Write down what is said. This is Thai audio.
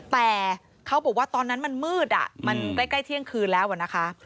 แต่เขาบอกว่าตอนนั้นมันมืดมันใกล้เที่ยงคืนแล้วนะคะ